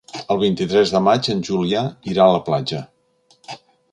El vint-i-tres de maig en Julià irà a la platja.